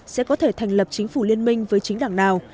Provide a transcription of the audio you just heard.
sẽ có thể thành lập chính phủ liên minh với chính đảng nào